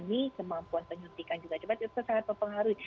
dan ini kemampuan penyuntikan juga cepat itu sangat mempengaruhi